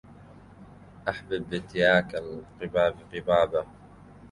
أحبب بتياك القباب قبابا